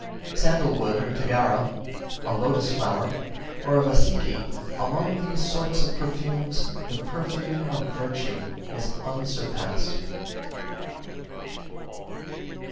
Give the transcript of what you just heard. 55. Sandal wood or Tagara, a lotus flower, or a Vassiki, among these sorts of perfumes, the perfume of virtue is unsurpassed.